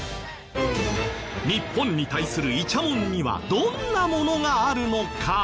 日本に対するイチャモンにはどんなものがあるのか？